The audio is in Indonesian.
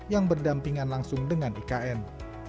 yang berdampingan langsung dengan ikn